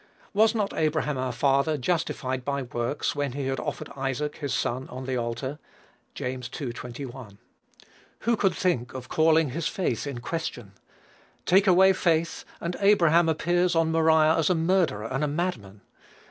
"Was not Abraham our father justified by works when he had offered Isaac his son on the altar?" (James ii. 21.) Who could think of calling his faith in question? Take away faith, and Abraham appears on Moriah as a murderer and a madman.